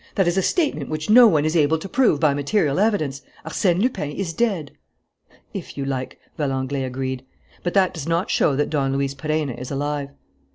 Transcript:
"That is a statement which no one is able to prove by material evidence. Arsène Lupin is dead." "If you like," Valenglay agreed. "But that does not show that Don Luis Perenna is alive."